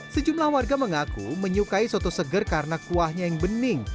sejumlah warga mengaku menyukai soto seger karena kuahnya yang bening